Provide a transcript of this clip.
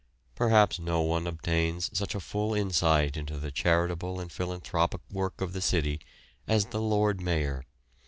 Perhaps no one obtains such a full insight into the charitable and philanthropic work of the city as the Lord Mayor.